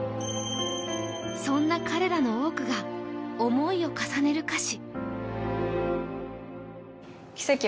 そんな彼らの多くが思いを重ねる歌詞。